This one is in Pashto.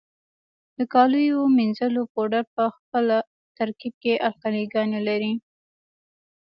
د کالیو منیځلو پوډر په خپل ترکیب کې القلي ګانې لري.